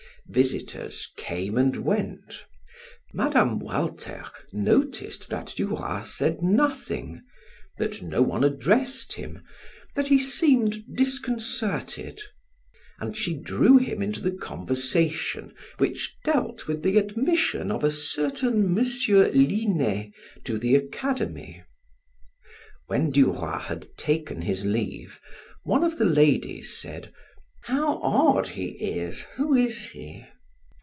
Visitors came and went. Mme. Walter noticed that Duroy said nothing, that no one addressed him, that he seemed disconcerted, and she drew him into the conversation which dealt with the admission of a certain M. Linet to the Academy. When Duroy had taken his leave, one of the ladies said: "How odd he is! Who is he?"